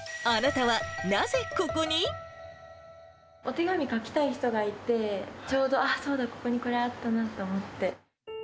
お手紙書きたい人がいて、ちょうど、あっ、そうだ、ここにこれあったなと思って。